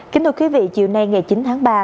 kính thưa quý vị chiều nay ngày chín tháng ba